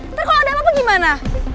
ntar kalo ada yang mau pergi gimana